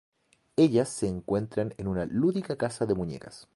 Ellas se encuentran en una lúdica casa de muñecas.